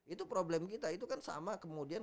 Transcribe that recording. itu problem kita itu kan sama kemudian